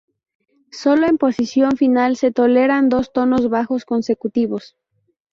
Sólo en posición final se toleran dos tonos bajos consecutivos.